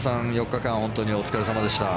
４日間本当にお疲れ様でした。